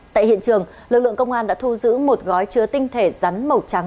tại hiện trường lực lượng công an đã thu giữ một gói chứa tinh thể rắn màu trắng